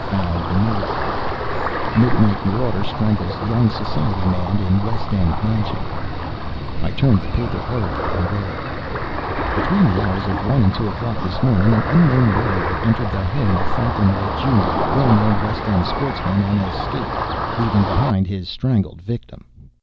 FOUND MURDERED Midnight Marauder Strangles Young Society Man in West End Mansion I turned the paper hurriedly, and read: Between the hours of one and two o'clock this morning, an unknown murderer entered the home of Franklin White, Jr., well known West End sportsman, and escaped, leaving behind his strangled victim.